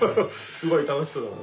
すごい楽しそうだな。